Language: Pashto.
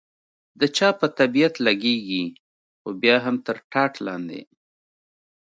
د چا په طبیعت لګېږي، خو بیا هم تر ټاټ لاندې.